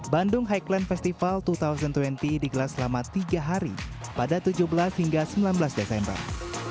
bandung highland festival dua ribu dua puluh digelar selama tiga hari pada tujuh belas hingga sembilan belas desember